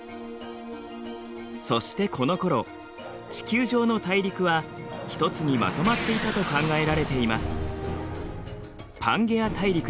そしてこのころ地球上の大陸は１つにまとまっていたと考えられています。